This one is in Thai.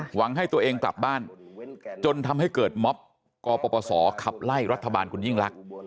หวังให้ตัวเองกลับบ้านจนทำให้เกิดม็อบกปศขับไล่รัฐบาลคุณยิ่งลักษณ์